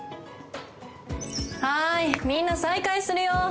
はーいみんな再開するよー